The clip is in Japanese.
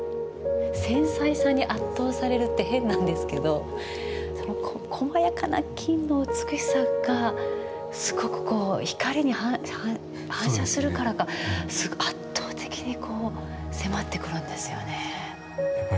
繊細さに圧倒されるって変なんですけどこまやかな金の美しさがすごく光に反射するからか圧倒的に迫ってくるんですよね。